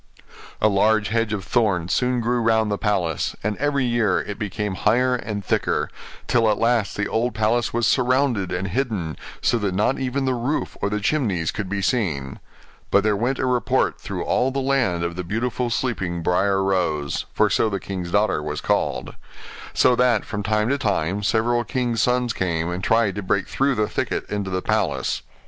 A large hedge of thorns soon grew round the palace, and every year it became higher and thicker; till at last the old palace was surrounded and hidden, so that not even the roof or the chimneys could be seen. But there went a report through all the land of the beautiful sleeping Briar Rose (for so the king's daughter was called): so that, from time to time, several kings' sons came, and tried to break through the thicket into the palace.